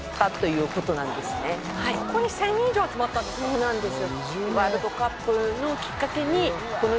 そうなんです。